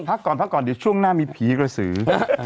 พักก่อนเดี๋ยวช่วงหน้ามีผีระสือ